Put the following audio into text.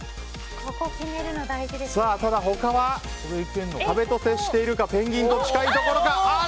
ただ、他は壁と接しているかペンギンと近いところか。